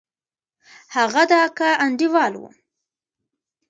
هغه د اکا انډيوال و.